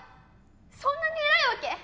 そんなに偉いわけ？